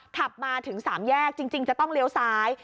ขับมาถึง๓แยกจริงจะต้องเลี้ยวซ้าย